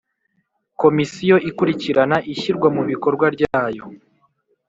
Komisiyo ikurikirana ishyirwa mu bikorwa ryayo